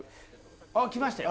あっ来ましたよ。